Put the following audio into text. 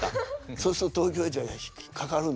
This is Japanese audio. そうすると東京じゃ引っかかるんですよ。